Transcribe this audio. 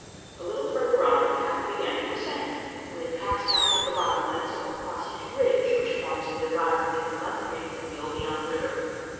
A little further on, the path began to ascend. We had passed out of the bottom lands, and were crossing a ridge, which forms the divide between Mud Creek and the Obion River.